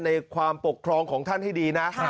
ในความปกครองของท่านให้ดีนะ